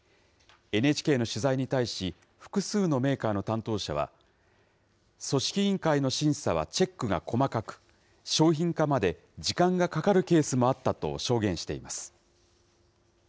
ＮＨＫの取材に対し、複数のメーカーの担当者は、組織委員会の審査はチェックが細かく、商品化まで時間がかかるケースもあったと証言しています。